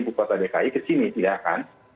bupat adki ke sini tidak kan